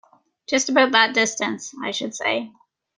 Just about that distance, I should say.